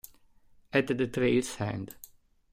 At the Trail's End